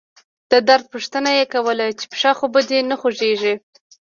د درد پوښتنه يې کوله چې پښه خو به دې نه خوږيږي.